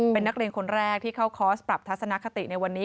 เป็นนักเรียนคนแรกที่เข้าคอร์สปรับทัศนคติในวันนี้